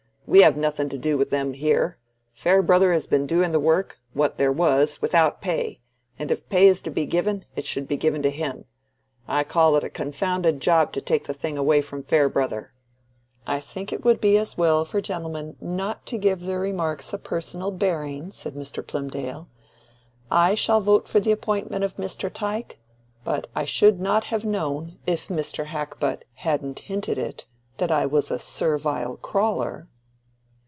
"We have nothing to do with them here. Farebrother has been doing the work—what there was—without pay, and if pay is to be given, it should be given to him. I call it a confounded job to take the thing away from Farebrother." "I think it would be as well for gentlemen not to give their remarks a personal bearing," said Mr. Plymdale. "I shall vote for the appointment of Mr. Tyke, but I should not have known, if Mr. Hackbutt hadn't hinted it, that I was a Servile Crawler."